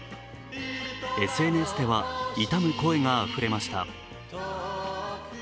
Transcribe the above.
ＳＮＳでは悼む声があふれました。